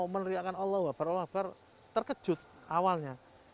meneriakan allah wabar allah wabar terkejut awalnya